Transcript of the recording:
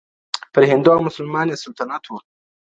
پر هندو او مسلمان یې سلطنت وو.